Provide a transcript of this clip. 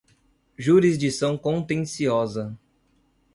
jurisdição contenciosa